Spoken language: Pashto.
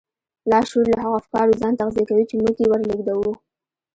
لاشعور له هغو افکارو ځان تغذيه کوي چې موږ يې ور لېږدوو.